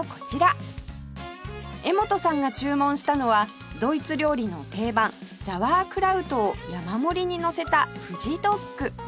柄本さんが注文したのはドイツ料理の定番ザワークラウトを山盛りにのせたフジドッグ